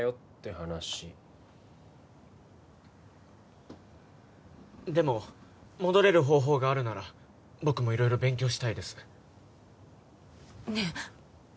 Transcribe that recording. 話でも戻れる方法があるなら僕も色々勉強したいですねえ